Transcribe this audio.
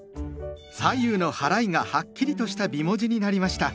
左右のはらいがはっきりとした美文字になりました。